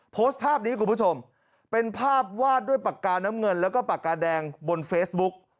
โพสต์ภาพนี้คุณผู้ชมเป็นภาพวาดด้วยปากกาน้ำเงินแล้วก็ปากกาแดงบนเฟซบุ๊ก